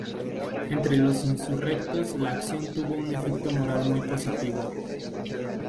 Entre los insurrectos la acción tuvo un efecto moral muy positivo.